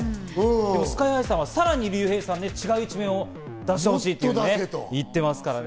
ＳＫＹ−ＨＩさんは、さらにリュウヘイさんの違う一面を出してほしいと言ってますからね。